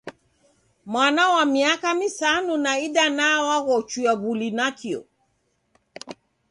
Mwana wa miaka misanu na idanaa waghochuya w'ili nakio.